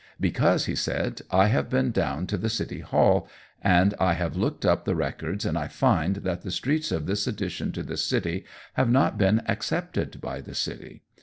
"Because," he said, "I have been down to the city hall, and I have looked up the records, and I find that the streets of this addition to the city have not been accepted by the city.